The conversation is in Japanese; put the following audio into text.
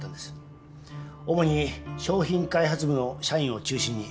主に商品開発部の社員を中心に。